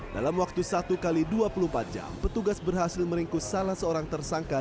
dalam waktu satu x dua puluh empat jam petugas berhasil meringkus salah seorang tersangka